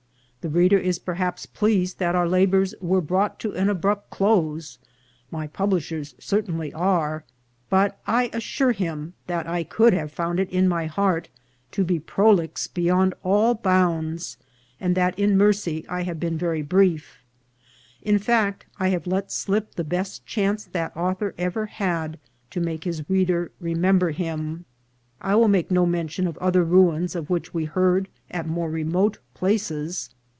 The reader is perhaps pleased that our labours were brought to an abrupt close (my publishers certainly are) ; but I assure him that 1, could have found it in my heart to be prolix beyond all bounds, and that in mercy I have been very brief; in fact, I have let slip the best chance that author ever had to make his reader remember him. I will make no mention of other ruins of which we heard at more remote places.